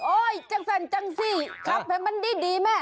อ๋อโอ้ยจังสั่นจังสิครับแม่มันดีแม่